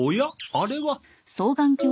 あれは。